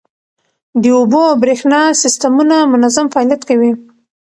د اوبو او بریښنا سیستمونه منظم فعالیت کوي.